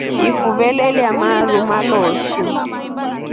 Ifuve lelya maru malosu.